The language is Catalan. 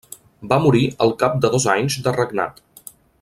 Va morir al cap de dos anys de regnat.